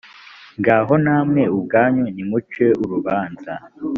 ngaho namwe ubwanyu nimuce urubanza